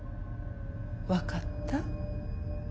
分かった？